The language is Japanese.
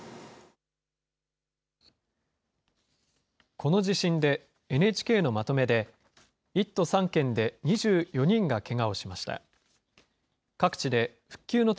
この地震でＮＨＫのまとめで、１都３県で２４人がけがをしました。